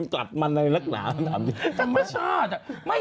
จะเป็นแบบไหม